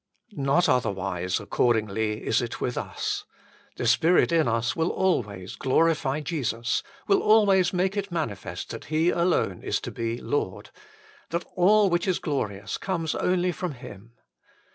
Not otherwise, accordingly, is it with us. The Spirit in us will always glorify Jesus, will always make it manifest that He alone is to be Lord, that all which is glorious comes only from Him.